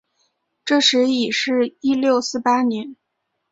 这时已是一六四八年。